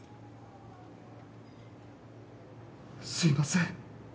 すいません。